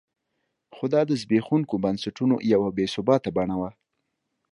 خو دا د زبېښونکو بنسټونو یوه بې ثباته بڼه وه.